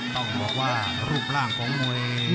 ต้องบอกว่ารูปร่างของมวย